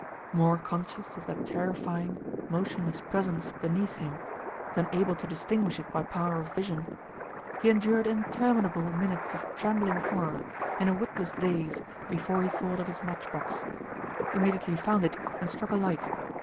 More conscious of that terrifying, motionless presence beneath him, than able to distinguish it by power of vision, he endured interminable minutes of trembling horror, in a witless daze, before he thought of his match box. Immediately he found it and struck a light.